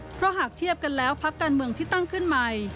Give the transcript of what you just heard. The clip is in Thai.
เพราะหากเทียบกันแล้วพักการเมืองที่ตั้งขึ้นใหม่